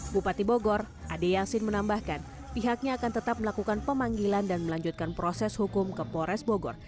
bupati bogor ade yasin menambahkan pihaknya akan tetap melakukan pemanggilan dan melanjutkan proses hukum ke polres bogor